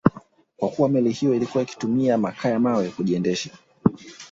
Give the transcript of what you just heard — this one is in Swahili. Kwa kuwa meli hiyo ilikuwa ikitumia makaa ya mawe kujiendesha